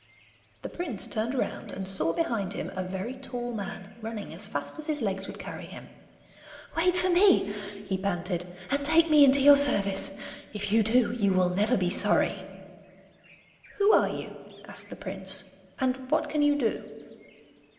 The prince turned round and saw behind him a very tall man, running as fast as his legs would carry him. 'Wait for me,' he panted, 'and take me into your service. If you do, you will never be sorry.' 'Who are you?' asked the prince, 'and what can you do?